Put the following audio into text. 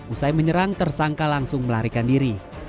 usai menyerang tersangka langsung melarikan diri